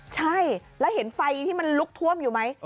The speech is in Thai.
ใช่แล้วเห็นไฟที่มันลุกท่วมอยู่ไหม